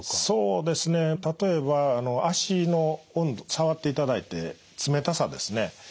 そうですね例えば脚の温度触っていただいて冷たさですね。